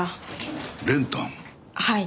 はい。